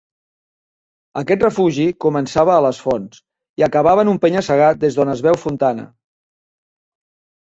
Aquest refugi començava a les fonts i acabava en un penya-segat des d'on es veu Fontana.